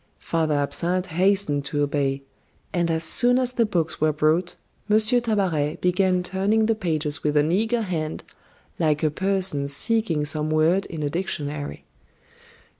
Father Absinthe hastened to obey; and as soon as the books were brought, M. Tabaret began turning the pages with an eager hand, like a person seeking some word in a dictionary.